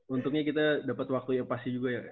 untungnya kita dapet waktunya pas juga ya